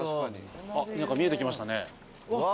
何か見えてきましたね。